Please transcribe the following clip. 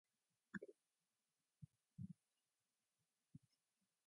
The route passes west of the community of Stall Lake.